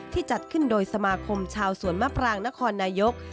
จัดขึ้นโดยสมาคมชาวสวนมะพรางนครนายก